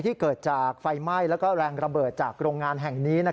เกิดจากไฟไหม้และแรงระเบิดจากโรงงานแห่งนี้